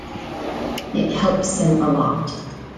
It helps him a lot.